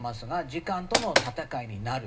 時間との戦いになる。